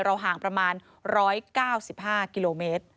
ห่างประมาณ๑๙๕กิโลเมตร